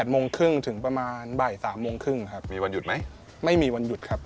โมงครึ่งถึงประมาณบ่าย๓โมงครึ่งครับมีวันหยุดไหมไม่มีวันหยุดครับ